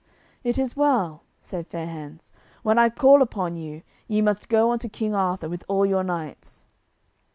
"It is well," said Fair hands; "when I call upon you ye must go unto King Arthur with all your knights."